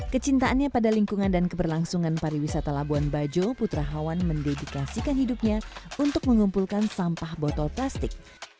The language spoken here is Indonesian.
kecintaannya pada lingkungan dan keberlangsungan pariwisata labuan bajo putra hawan mendedikasikan hidupnya untuk mengumpulkan sampah botol plastik